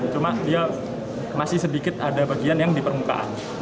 cuma dia masih sedikit ada bagian yang di permukaan